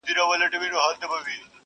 وختونه واوښتل اور ګډ سو د خانۍ په خونه،